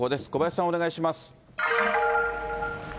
小林さん、お願いします。